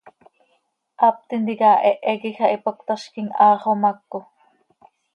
Hap tintica hehe quij ah ipac cötazquim, haa xomaco.